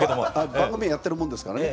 番組やってるもんですからね。